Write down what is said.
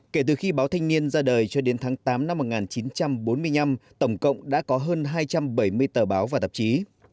kể từ khi báo thanh niên ra đời cho đến tháng tám năm một nghìn chín trăm bốn mươi năm tổng cộng đã có hơn hai trăm bảy mươi tờ báo và tạp chí